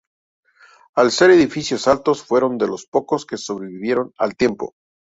Al ser edificios altos fueron de los pocos que sobrevivieron al tiempo.